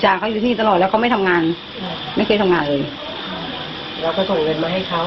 เขาอยู่ที่นี่ตลอดแล้วเขาไม่ทำงานไม่เคยทำงานเลยเราก็ส่งเงินมาให้เขา